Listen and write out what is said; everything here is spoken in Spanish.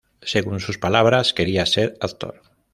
Según sus palabras, quería ser actor.